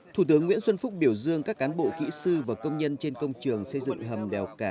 thủ tướng nguyễn xuân phúc biểu dương các cán bộ kỹ sư và công nhân trên công trường xây dựng hầm đèo cả